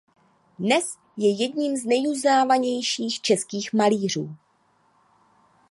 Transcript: Dnes je jedním z nejuznávanějších českých malířů.